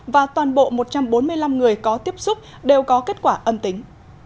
và toàn bộ một trăm bốn mươi năm người có tiếp xúc đều có kết quả âm tính